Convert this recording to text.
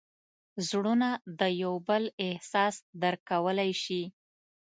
زړونه د یو بل احساس درک کولی شي.